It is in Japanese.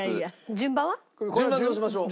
順番どうしましょう？